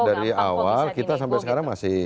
dari awal kita sampai sekarang masih